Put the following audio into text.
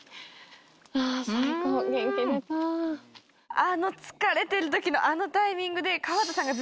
あの疲れてる時のあのタイミングで。